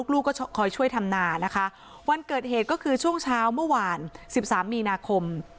ลูกก็คอยช่วยทำนานะคะวันเกิดเหตุก็คือช่วงเช้าเมื่อวาน๑๓มีนาคม